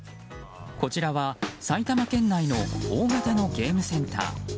こちらは埼玉県内の大型のゲームセンター。